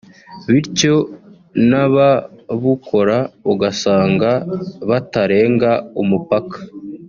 bityo n’ababukora ugasanga batarenga umupaka